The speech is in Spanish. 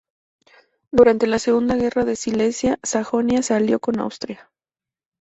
Durante la Segunda Guerra de Silesia, Sajonia se alió con Austria.